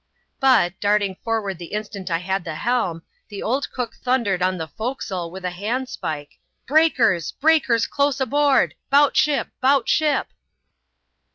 But, darting forward the instant I had the helm, the old cook thundered on the forecastle with a handspike, "Breakers! breakers close aboard !— 'bout ship ! 'bout ship